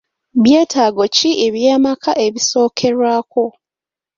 Byetaago ki eby'amaka ebisookerwako?